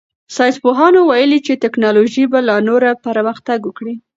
ساینس پوهانو ویلي چې تکنالوژي به لا نوره پرمختګ وکړي.